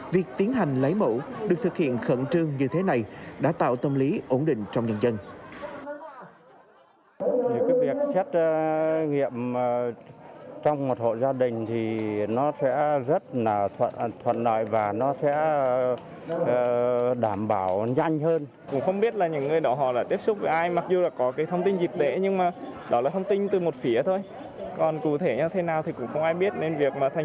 việc tiến hành lấy mẫu được thực hiện khẩn trương như thế này đã tạo tâm lý ổn định trong nhân dân